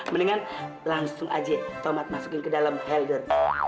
mendingan langsung aja tomat masukin ke dalam helder